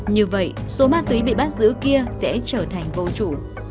như vậy số ma túy bị bắt giữ kia sẽ trở thành vô chủ